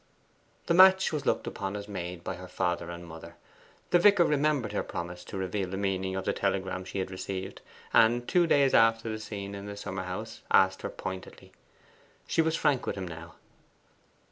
The match was looked upon as made by her father and mother. The vicar remembered her promise to reveal the meaning of the telegram she had received, and two days after the scene in the summer house, asked her pointedly. She was frank with him now.